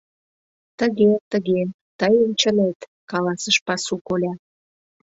— Тыге, тыге, тыйын чынет! — каласыш пасу коля.